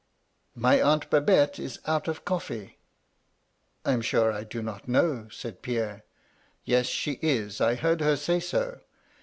"* My Aunt Babette is out of coflFee.' "* I am sure I do not know,' said Pierre. Yes, she is. I heard her say so.